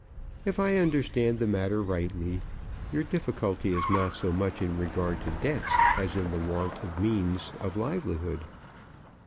If I understand the matter rightly your difficulty is not so much in regard to debts as in the want of means of livelihood.